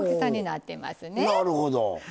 なるほど。